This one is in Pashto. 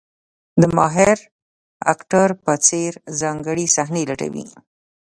د ماهر اکټر په څېر ځانګړې صحنې لټوي.